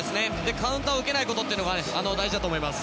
カウンターを受けないことが大事だと思います。